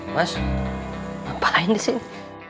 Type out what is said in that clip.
mas apa lain di sini